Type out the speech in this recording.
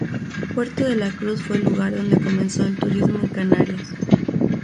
Puerto de la Cruz fue el lugar donde comenzó el turismo en Canarias.